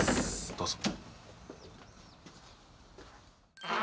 どうぞ。